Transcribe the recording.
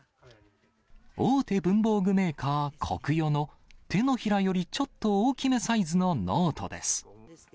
大手文房具メーカー、コクヨの手のひらよりちょっと大きめサイズのノートです。